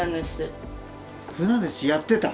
船主やってた？